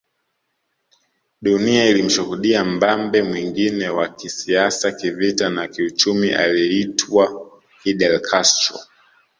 Dunia ilimshuhudia mbambe mwingine wa kisiasa kivita na kiuchumi aliyeitwa Fidel Castro